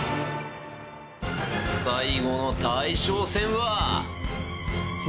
最後の大将戦は。